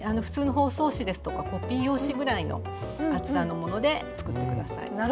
普通の包装紙ですとかコピー用紙ぐらいの厚さのもので作って下さい。